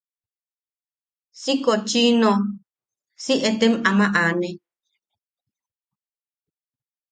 Si kochino, si etem ama aane.